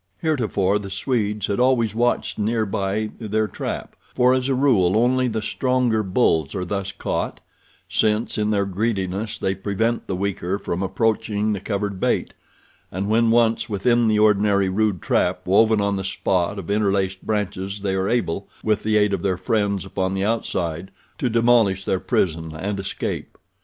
Heretofore the Swedes had always watched near by their trap, for as a rule only the stronger bulls are thus caught, since in their greediness they prevent the weaker from approaching the covered bait, and when once within the ordinary rude trap woven on the spot of interlaced branches they are able, with the aid of their friends upon the outside, to demolish their prison and escape.